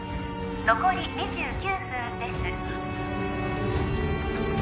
残り２９分です